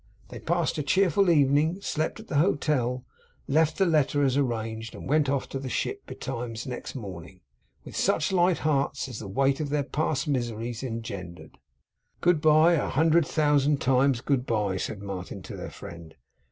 They passed a cheerful evening; slept at the hotel; left the letter as arranged; and went off to the ship betimes next morning, with such light hearts as the weight of their past miseries engendered. 'Good bye! a hundred thousand times good bye!' said Martin to their friend.